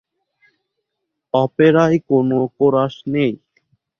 অপেরায় কোন কোরাস নেই।